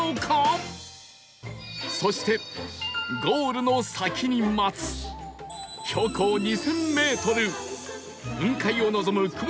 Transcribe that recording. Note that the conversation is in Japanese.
そしてゴールの先に待つ標高２０００メートル雲海を望む雲の上の絶景